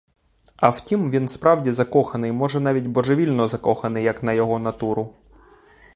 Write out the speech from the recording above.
А втім, він справді закоханий, може, навіть божевільно закоханий, як на його натуру.